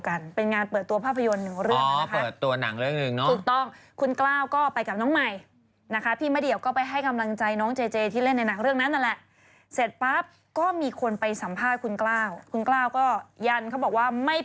มันมีรูปร่างที่ไหนถ้าตอบได้หมดหายปวดหัว